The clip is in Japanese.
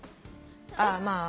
ああまあ。